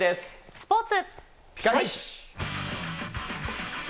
スポーツ。